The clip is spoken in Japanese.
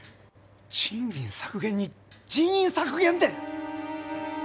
賃金削減に人員削減って！